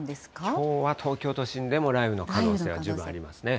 きょうは東京都心でも雷雨の可能性は十分ありますね。